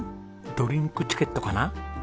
ドリンクチケットかな？